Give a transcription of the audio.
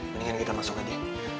mendingan kita masuk nanti